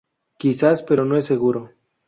Quizás, pero no es seguro.